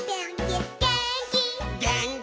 「げーんき」